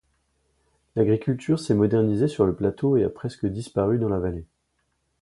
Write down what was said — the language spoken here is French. L'agriculture s'est modernisée sur le plateau et a presque disparu dans la vallée.